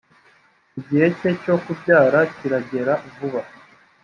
igihe cye cyo kubyara kiragera vuba.